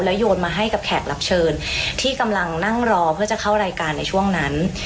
โยนมาให้กับแขกรับเชิญที่กำลังนั่งรอเพื่อจะเข้ารายการในช่วงนั้น